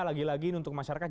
lagi lagi untuk masyarakat